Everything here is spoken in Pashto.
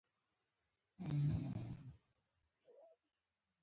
نیکه د کلتور ژوندي ساتونکی وي.